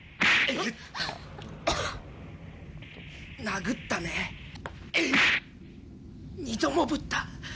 殴ったね二度もぶった。